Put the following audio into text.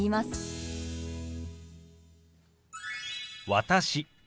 「私」